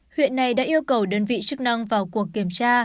huyện này đã yêu cầu đơn vị chức năng vào cuộc kiểm tra